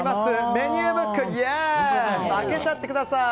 メニューブック開けちゃってください！